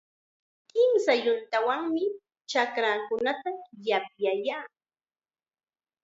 Kimsa yuntawanmi chakraakunata yapyayaa.